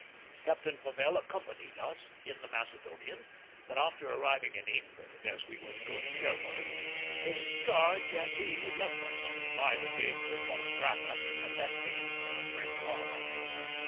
Captain Fauvel accompanied us in the Macedonian; but after arriving in England, as we were to go to Cherbourg, his charge and he left us, neither being persona grata at that date in a French harbor.